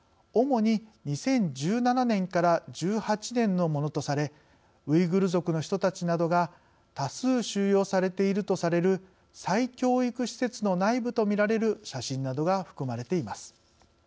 主に２０１７年から１８年のものとされウイグル族の人たちなどが多数収容されているとされる再教育施設の内部と見られる写真などが含まれています。